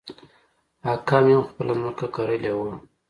اکا مې هم خپله ځمکه کرلې وه.